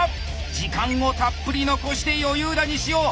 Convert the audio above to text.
時間をたっぷり残して余裕だ西尾。